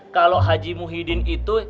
kalau haji muhyiddin itu